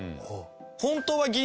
本当は